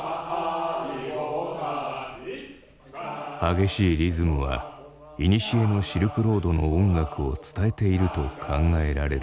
激しいリズムはいにしえのシルクロードの音楽を伝えていると考えられる。